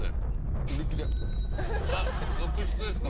あっ続出ですか？